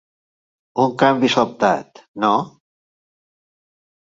Un canvi sobtat, no?